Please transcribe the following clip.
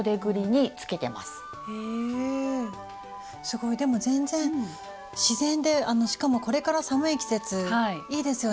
すごいでも全然自然でしかもこれから寒い季節いいですよね。